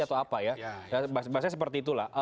atau apa ya bahasanya seperti itulah